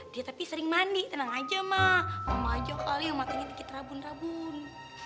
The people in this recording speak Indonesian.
dia tapi sering mandi tenang aja ma mama aja kali yang matenya dikit rabun rabun